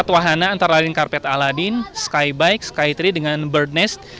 empat wahana antara lain karpet aladin skybike skytree dengan bird nest